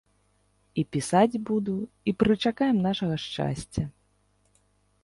І пісаць буду, і прычакаем нашага шчасця.